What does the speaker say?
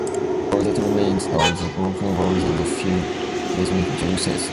All that remains are the broken walls of a few basement jail cells.